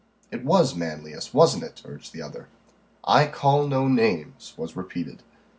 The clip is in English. "It was Manlius, wasn't it?" urged the other. "I call no names," was repeated.